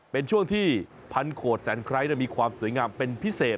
เป็นช่วงที่พันโขดแสนไคร้มีความสวยงามเป็นพิเศษ